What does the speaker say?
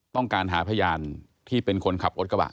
ต้องการหาพยานที่เป็นคนขับรถกระบะ